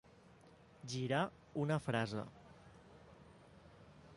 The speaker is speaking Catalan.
Girar una frase.